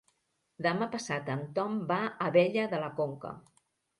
Demà passat en Tom va a Abella de la Conca.